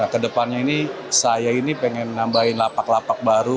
kedepannya saya ini pengen menambahin lapak lapak baru